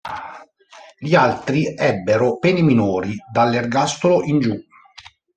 Gli altri ebbero pene minori, dall'ergastolo in giù.